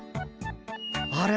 あれ？